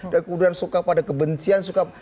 dan kemudian suka pada kebencian